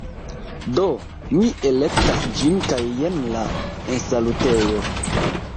Do, mi elektas ĝin kaj jen la ensalutejo